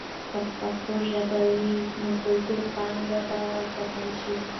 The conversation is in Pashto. که پښتو ژبه وي، نو کلتوري پانګه به وساتل سي.